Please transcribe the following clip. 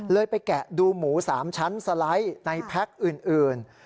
ไปแกะดูหมู๓ชั้นสไลด์ในแพ็คอื่น